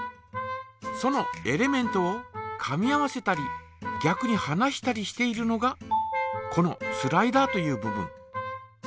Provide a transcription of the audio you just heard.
そのエレメントをかみ合わせたりぎゃくにはなしたりしているのがこのスライダーという部分。